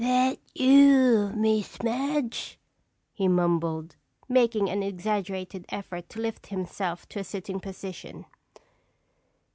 "Thet you, Miss Madge?" he mumbled, making an exaggerated effort to lift himself to a sitting position.